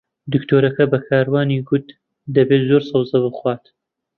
دکتۆرەکە بە کاروانی گوت دەبێت زۆر سەوزە بخوات.